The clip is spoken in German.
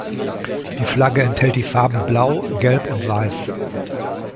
Die Flagge enthält die Farben Blau, Gelb und Weiß.